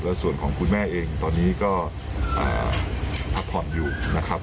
ส่วนของคุณแม่เองตอนนี้ก็พักผ่อนอยู่นะครับ